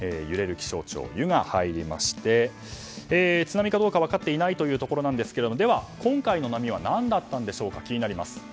揺れる気象庁の「ユ」が入りまして津波がどうか分かっていないということですが今回の波は何だったんでしょうか気になります。